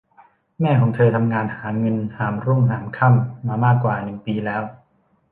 แม่ของเธอทำงานหาเงินหามรุ่งหามค่ำมามากกว่าหนึ่งปีแล้ว